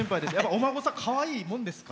お孫さん、かわいいものですか？